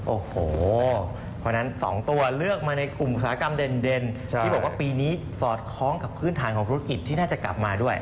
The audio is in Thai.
โอ้โหเพราะฉะนั้น๒ตัวเลือกมาในกลุ่มอุตสาหกรรมเด่นที่บอกว่าปีนี้สอดคล้องกับพื้นฐานของธุรกิจที่น่าจะกลับมาด้วย